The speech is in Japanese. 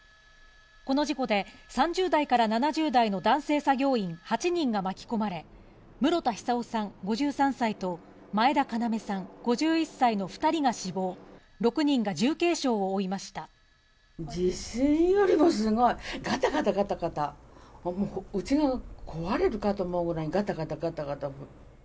この事故で３０代から７０代の男性作業員８人が巻き込まれ、室田久生さん５３歳と、前田要さん５１歳の２人が死亡、６人が重地震よりもすごい、がたがたがたがた、うちが壊れるかと思うぐらいにがたがたがたがた。